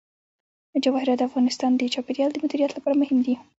جواهرات د افغانستان د چاپیریال د مدیریت لپاره مهم دي.